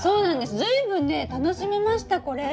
随分ね楽しめましたこれ！